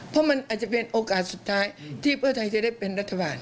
เพราะมันอาจจะเป็นโอกาสสุดท้ายที่เพื่อไทยจะได้เป็นรัฐบาล